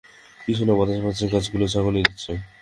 কিছু না, বাতাসে বাতাসে গাছগুলোকে ঝাঁকানি দিচ্ছে।